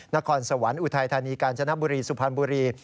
นครสวรรค์อุทัยธานีกาญจนบุรีสุพรรณบุรี